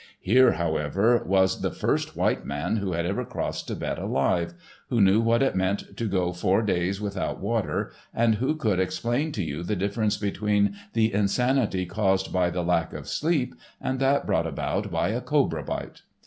Here, however, was the first white man who had ever crossed Thibet alive, who knew what it meant to go four days without water and who could explain to you the difference between the insanity caused by the lack of sleep and that brought about by a cobra bite.